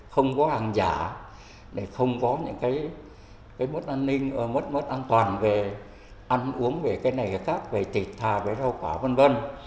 không có hàng giả không có những cái mất an ninh mất an toàn về ăn uống về cái này cái khác về thịt thà về rau quả v v